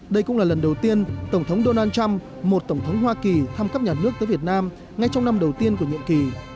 đây cũng là lần đầu tiên tổng thống donald trump một tổng thống hoa kỳ thăm cấp nhà nước tới việt nam ngay trong năm đầu tiên của nhiệm kỳ